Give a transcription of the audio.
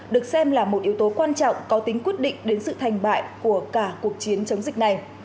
được xem là một yếu tố quan trọng có tính quyết định đến sự thành bại của cả cuộc chiến chống dịch này